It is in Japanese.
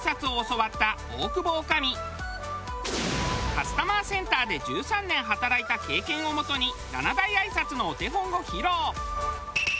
カスタマーセンターで１３年働いた経験をもとに７大挨拶のお手本を披露。